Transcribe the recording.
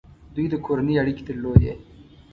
دوی د کورنۍ اړیکې درلودې.